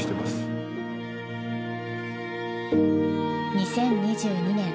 ２０２２年。